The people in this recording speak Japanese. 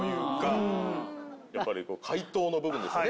やっぱり怪盗の部分ですね。